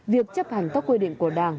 việc chấp hành các quy định của đảng